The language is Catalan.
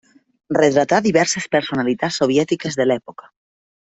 Retratà a diverses personalitats soviètiques de l'època.